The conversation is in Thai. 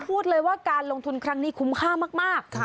พูดเลยว่าการลงทุนครั้งนี้คุ้มค่ามาก